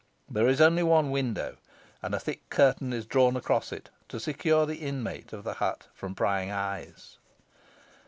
There is only one window, and a thick curtain is drawn across it, to secure the inmate of the hut from prying eyes.